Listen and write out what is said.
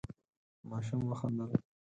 ماشوم وخندل.